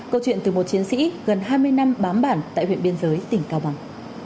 câu chuyện từ một chiến sĩ gần hai mươi năm bám bản tại huyện biên giới tỉnh cao bằng